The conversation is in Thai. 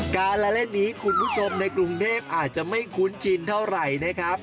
การละเล่นนี้คุณผู้ชมในกรุงเทพอาจจะไม่คุ้นชินเท่าไหร่นะครับ